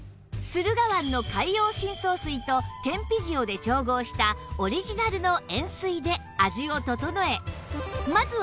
駿河湾の海洋深層水と天日塩で調合したオリジナルの塩水で味を調え。